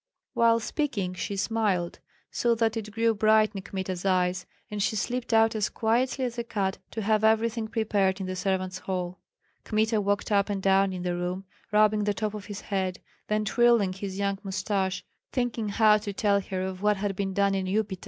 While speaking she smiled, so that it grew bright in Kmita's eyes, and she slipped out as quietly as a cat to have everything prepared in the servants' hall. Kmita walked up and down in the room, rubbing the top of his head, then twirling his young mustache, thinking how to tell her of what had been done in Upita.